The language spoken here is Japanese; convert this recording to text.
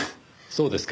そうですか。